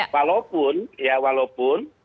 walaupun ya walaupun